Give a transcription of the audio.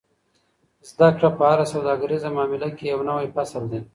زده کړه په هره سوداګریزه معامله کې یو نوی فصل دی.